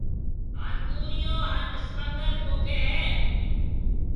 ھان توريو ھان اسپنگر پوکيَ ھيََََ